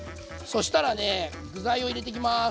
そしたら塩も入れていきます。